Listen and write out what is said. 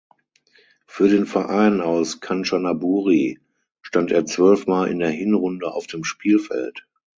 Für den Verein aus Kanchanaburi stand er zwölfmal in der Hinrunde auf dem Spielfeld.